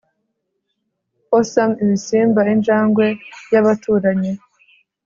possum, ibisimba, injangwe y'abaturanyi